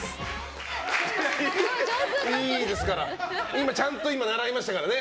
今、ちゃんと習いましたからね。